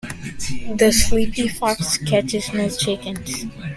The sleepy fox catches no chickens.